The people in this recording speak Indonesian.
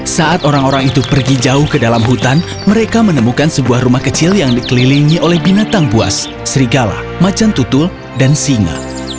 saat orang orang itu pergi jauh ke dalam hutan mereka menemukan sebuah rumah kecil yang dikelilingi oleh binatang buas serigala macan tutul dan singa